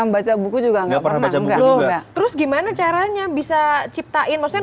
baca buku juga nggak pernah baca buku juga terus gimana caranya bisa ciptain maksudnya